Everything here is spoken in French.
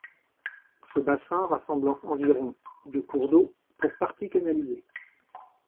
Ce bassin rassemblant environ de cours d'eau, pour partie canalisés.